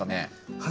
はい。